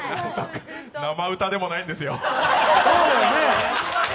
生歌でもないんですよ。